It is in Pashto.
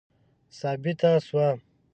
ثابته سوه.